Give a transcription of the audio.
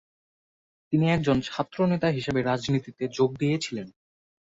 তিনি একজন ছাত্রনেতা হিসেবে রাজনীতিতে যোগ দিয়েছিলেন।